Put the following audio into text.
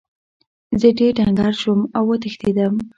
زه ډیر ډنګر شوم او وتښتیدم.